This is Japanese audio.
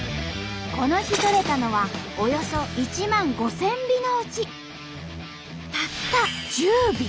この日とれたのはおよそ１万５，０００尾のうちたった１０尾。